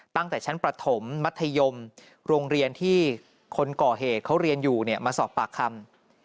ตั้งแต่ชั้นประถมมัธยมโรงเรียนที่คนก่อเหตุเขาเรียนอยู่มาสอบปากคำ